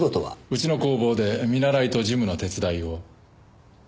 うちの工房で見習いと事務の手伝いを。